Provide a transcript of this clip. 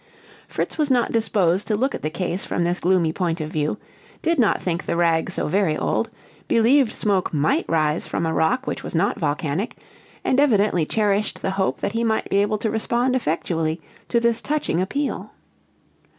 Fritz was not disposed to look at the case from this gloomy point of view; did not think the rag so very old; believed smoke might rise from a rock which was not volcanic; and evidently cherished the hope that he might be able to respond effectually to this touching appeal.